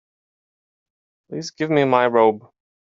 Please give me my robe.